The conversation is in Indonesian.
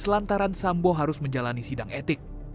lantaran sambo harus menjalani sidang etik